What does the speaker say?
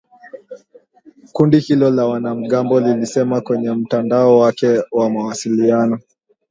Kundi hilo la wanamgambo lilisema kwenye mtandao wake wa mawasiliano